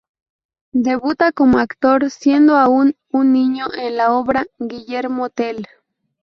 Debuta como actor siendo aún un niño, en la obra "Guillermo Tell".